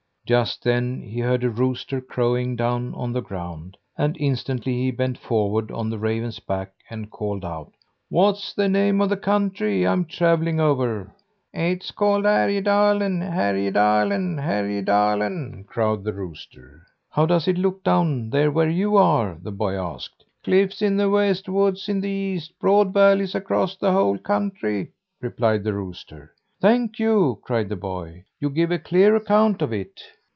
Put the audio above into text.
Just then he heard a rooster crowing down on the ground, and instantly he bent forward on the raven's back and called out: "What's the name of the country I'm travelling over?" "It's called Härjedalen, Härjedalen, Härjedalen," crowed the rooster. "How does it look down there where you are?" the boy asked. "Cliffs in the west, woods in the east, broad valleys across the whole country," replied the rooster. "Thank you," cried the boy. "You give a clear account of it."